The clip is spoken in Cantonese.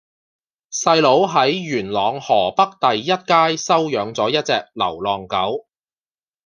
細佬喺元朗河北第一街收養左一隻流浪狗